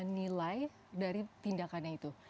nilai dari tindakannya itu